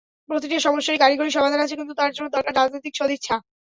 প্রতিটা সমস্যারই কারিগরি সমাধান আছে, কিন্তু তার জন্য দরকার রাজনৈতিক সদিচ্ছা।